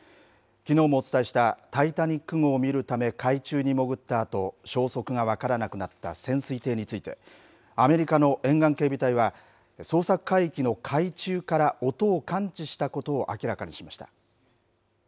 きのうもお伝えした、タイタニック号を見るため海中に潜ったあと、消息が分からなくなった潜水艇について、アメリカの沿岸警備隊は、捜索海域の海中から音を感知したことを明らかにしました。